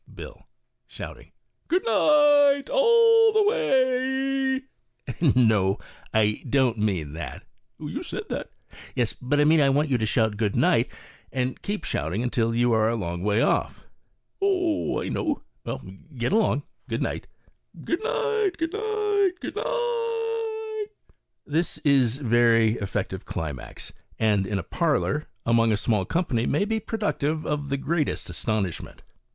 Bill (shouting). "Good night, all the way.*' Speaker. "No, I don't mean that." Bill. " Tou said that." Speaker. "Yes, but I mean I want you to shout 'Good night/ and keep shouting until you are a long way off/' Bill. "Oh, I know." Speaker. " Well, get along. Good night.'* Bill. " Good night," etc. This is a very effective climax, and in a parlor, among a small company, may be productive of the greatest astonishment.